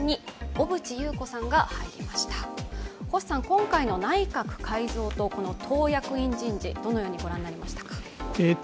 今回の内閣改造と党役員人事どのようにご覧になりましたか？